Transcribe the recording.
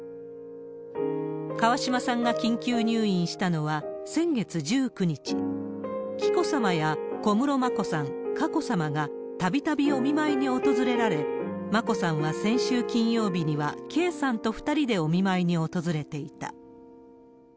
川嶋さんが緊急入院したのは先月１９日、紀子さまや小室眞子さん、佳子さまがたびたびお見舞いに訪れられ、眞子さんは先週金曜日には、圭さんと２人でお見舞いに訪れていた。